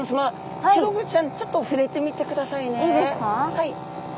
はい。